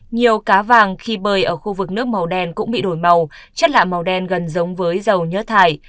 nhiều cá vàng khi bơi ở khu vực nước màu đen cũng bị đổi màu chất lạ màu đen gần giống với dầu nhớt thải